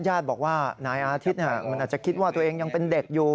ญาติบอกว่านายอาทิตย์มันอาจจะคิดว่าตัวเองยังเป็นเด็กอยู่